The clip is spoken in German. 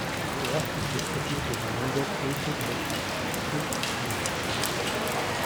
Die ersten vier Titel gewann Niederkirchen als "TuS Niederkirchen".